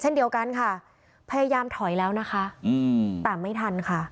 เช่นเดียวกันค่ะพยายามถอยแล้วนะคะอืมแต่ไม่ทันค่ะ